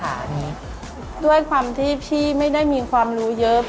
การที่บูชาเทพสามองค์มันทำให้ร้านประสบความสำเร็จ